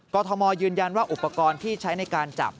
ทมยืนยันว่าอุปกรณ์ที่ใช้ในการจับ